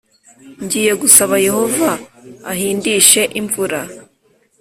Ngiye gusaba Yehova ahindishe imvura